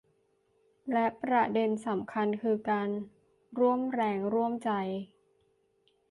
และประเด็นสำคัญคือการร่วมแรงร่วมใจ